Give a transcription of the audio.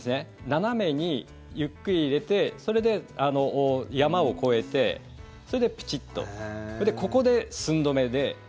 斜めにゆっくり入れて山を越えて、それでプチッとここで寸止めで。